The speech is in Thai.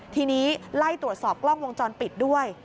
ทีนี้ไล่ตรวจสอบกล้องวงจรปิดด้วย